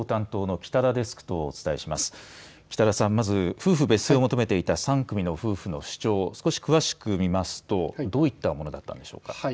北田さん、まず夫婦別姓を求めていた３組の夫婦の主張を少し詳しく見ますとどういったものだったんでしょうか。